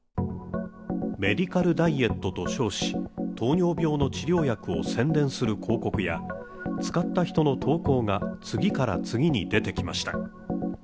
メディカルダイエットと称し糖尿病の治療薬を宣伝する広告や使った人の投稿が次から次に出てきました